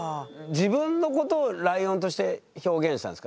自分のことをライオンとして表現したんですか？